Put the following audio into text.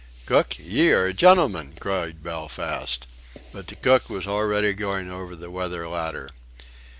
"Cook, ye are a gentleman!" cried Belfast. But the cook was already going over the weather ladder.